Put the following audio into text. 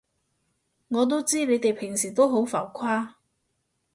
我都知你哋平時都好浮誇